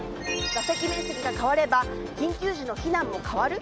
座席面積が変われば緊急時の避難も変わる？